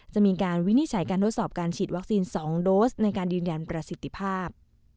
จะมีการวินิจฉัยการทดสอบการฉีดวัคซีน๒โดสในการยืนยันประสิทธิภาพ